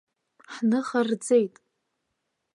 Ҳныха рӡеит!